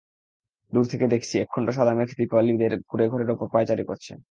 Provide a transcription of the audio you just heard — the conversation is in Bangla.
দূর থেকে দেখছি একখণ্ড সাদা মেঘ দীপালিদের কুড়ে ঘরের ওপর পায়চারি করছে।